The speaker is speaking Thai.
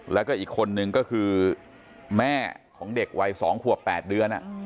แล้วก็อีกคนนึงก็คือแม่ของเด็กวัย๒ขวบ๘เดือน